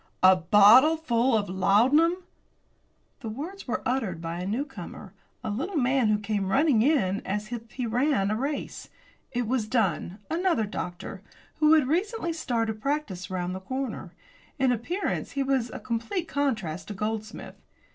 "A bottleful of laudanum!" The words were uttered by a newcomer a little man who came running in as if he ran a race. It was Dunn, another doctor, who had recently started practice round the corner. In appearance he was a complete contrast to Goldsmith.